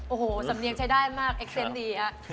โอ้โหสำเนียงใช้ได้มากเอ็กเซนต์ดี